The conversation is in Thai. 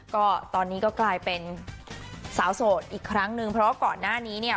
ก็ตอนนี้ก็กลายเป็นสาวโสดอีกครั้งนึงเพราะว่าก่อนหน้านี้เนี่ย